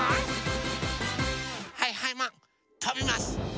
はいはいマンとびます！